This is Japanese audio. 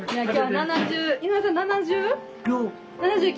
井上さん７０？９。